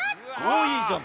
あいいじゃん。